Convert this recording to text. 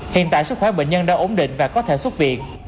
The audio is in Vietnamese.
hiện tại sức khỏe bệnh nhân đã ổn định và có thể xuất viện